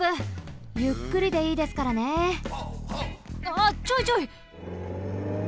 ああちょいちょい！